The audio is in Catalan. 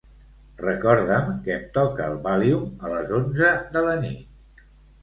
Recorda'm que em toca el Vàlium a les onze de la nit.